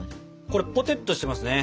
これぽてっとしてますね。